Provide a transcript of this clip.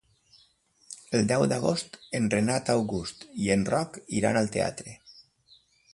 El deu d'agost en Renat August i en Roc iran al teatre.